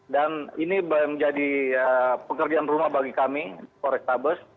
dan ini menjadi pekerjaan rumah bagi kami korektabus